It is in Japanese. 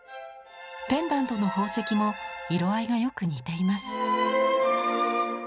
ペンダントの宝石も色合いがよく似ています。